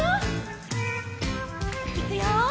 いくよ。